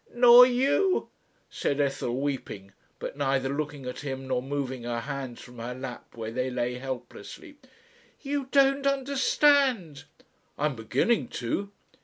"Nor you," said Ethel, weeping but neither looking at him nor moving her hands from her lap where they lay helplessly. "You don't understand." "I'm beginning to."